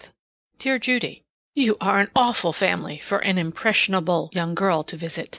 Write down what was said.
Dear Judy: You are an awful family for an impressionable young girl to visit.